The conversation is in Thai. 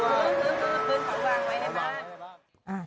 เบื้องตูมที่เขาหวังไว้ในบ้าน